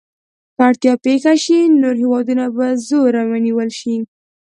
که اړتیا پېښه شي نور هېوادونه په زوره ونیول شي.